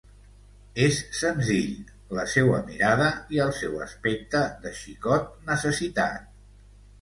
És senzill, la seua mirada i el seu aspecte de xicot necessitat.